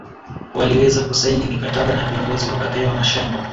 Waliweza kusaini mikataba na viongozi wakapewa mashamaba